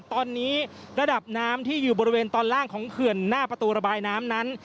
ตอนนี้ระดับน้ำที่อยู่บริเวณตอนล่างของเขื่อนหน้าประตูระบายน้ำนั้น